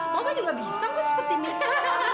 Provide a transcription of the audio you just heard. bapak juga bisa kok seperti minta